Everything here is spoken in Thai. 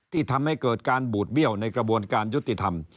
ที่ทำให้เกิดการบูดเบี้ยวในกระบวนการยุติธรรม